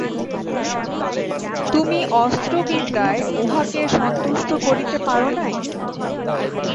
তুমি অস্ত্রবিদ্যায় উঁহাকে সন্তুষ্ট করিতে পার নাই?